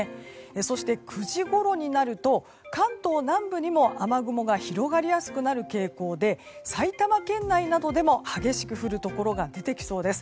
そして、９時ごろになると関東南部にも雨雲が広がりやすくなる傾向で埼玉県内などでも激しく降るところが出てきそうです。